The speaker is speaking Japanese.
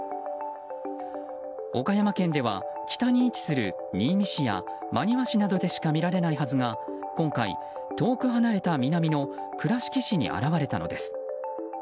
岡山県では、北に位置する新見市や真庭市などでしか見られないはずが今回、遠く離れた南の倉敷市に現れたのです。